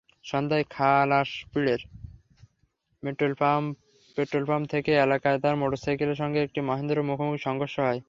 সন্ধ্যায় খালাসপীরের পেট্রলপাম্প এলাকায় তাঁর মোটরসাইকেলের সঙ্গে একটি মাহেন্দ্রর মুখোমুখি সংঘর্ষ হয়।